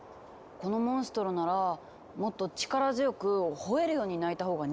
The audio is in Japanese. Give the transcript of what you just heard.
このモンストロならもっと力強くほえるように鳴いたほうが似合ってるね。